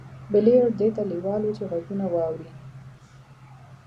بليير دې ته لېوال و چې غږونه واوري.